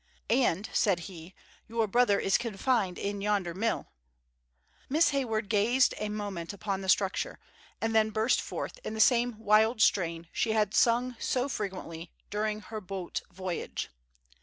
"And," said he, "your brother is confined in yonder mill!" Miss Hayward gazed a moment upon the structure, and then burst forth in the same wild strain she had sung so frequently during her boat voyage.